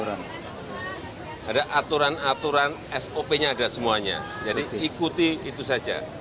ada aturan aturan sop nya ada semuanya jadi ikuti itu saja